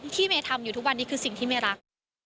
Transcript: เมย์ทำอยู่ทุกวันนี้คือสิ่งที่เมรัก